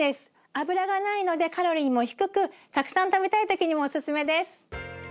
油がないのでカロリーも低くたくさん食べたい時にもおすすめです。